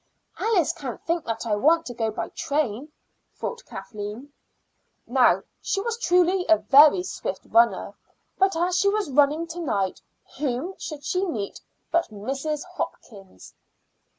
"Alice can't think that I want to go by train," thought Kathleen. Now she was truly a very swift runner, but as she was running to night, whom should she meet but Mrs. Hopkins.